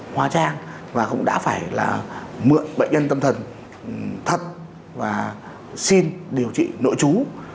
hóa trang và cũng đã phải là mượn bệnh nhân tâm thần thật và xin điều trị nội chú